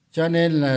cho nên là